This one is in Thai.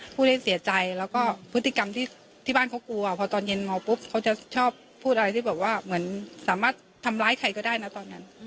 ผู้เล่นเสียใจแล้วก็พฤติกรรมที่บ้านเขากลัวพอตอนเย็นเมาปุ๊บเขาจะชอบพูดอะไรที่แบบว่าเหมือนสามารถทำร้ายใครก็ได้นะตอนนั้น